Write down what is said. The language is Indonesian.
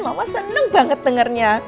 mama seneng banget dengernya